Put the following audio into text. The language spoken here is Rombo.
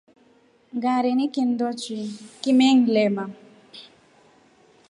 Ngareni kindochi kimengilema lanye.